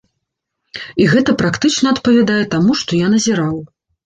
І гэта практычна адпавядае таму, што я назіраў.